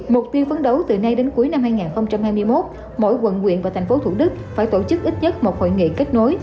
mục tiêu phấn đấu từ nay đến cuối năm hai nghìn hai mươi một mỗi quận quyện và thành phố thủ đức phải tổ chức ít nhất một hội nghị kết nối